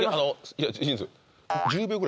いやいいんですよ